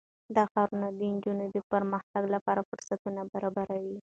دا ښارونه د نجونو د پرمختګ لپاره فرصتونه برابروي.